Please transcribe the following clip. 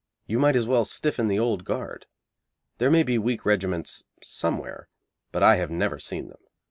You might as well stiffen the old Guard. There may be weak regiments somewhere, but I have never seen them.